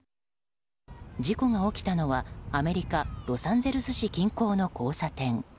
事故が起きたのはアメリカ・ロサンゼルス市近郊の交差点。